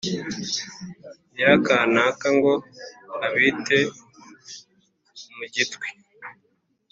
Nyirakanaka ngo abite mu gitwi